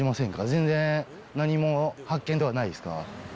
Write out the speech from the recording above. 全然何も発見とかないですか？